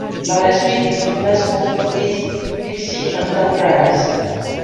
Par la suite, il fonda son entreprise, Vixie Enterprises.